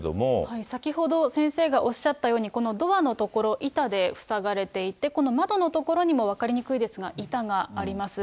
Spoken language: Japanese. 先ほど先生がおっしゃったように、このドアの所、板で塞がれていて、この窓の所にも分かりにくいですが、板があります。